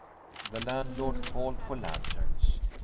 The landlord called for lanterns.